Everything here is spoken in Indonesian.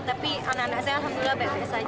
tapi anak anak saya alhamdulillah baik